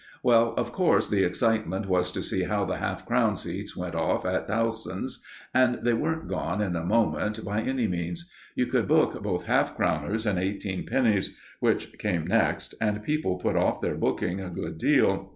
Well, of course, the excitement was to see how the half crown seats went off at Tomson's, and they weren't gone in a moment, by any means. You could book both half crowners and eighteen pennies, which came next, and people put off their booking a good deal.